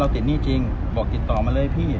ติดหนี้จริงบอกติดต่อมาเลยพี่